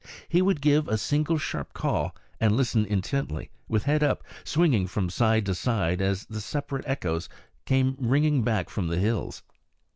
He would give a single sharp call, and listen intently, with head up, swinging from side to side as the separate echoes came ringing back from the hills.